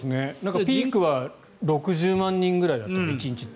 ピークは６０万人ぐらいだったので１日で。